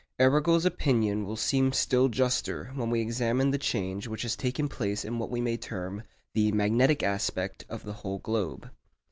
Arago's opinion will seem still juster when we examine the change which has taken place in what we may term the 'magnetic aspect' of the whole globe.